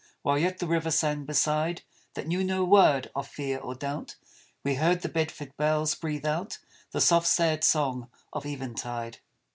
While yet the river sang beside That knew no word of fear or doubt, We heard the Bedford bells breathe out The soft, sad song of eventide.